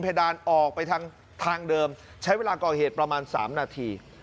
ดานออกไปทางเดิมใช้เวลาก่อเหตุประมาณ๓นาที